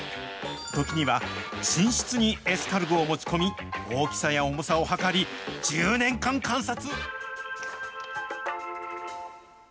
時には寝室にエスカルゴを持ち込み、大きさや重さを計り、１０年間観察。